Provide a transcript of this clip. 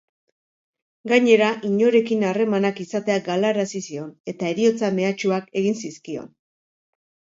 Gainera, inorekin harremanak izatea galarazi zion, eta heriotza-mehatxuak egin zizkion.